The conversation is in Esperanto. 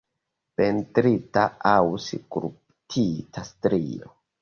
Pentrita aŭ skulptita strio.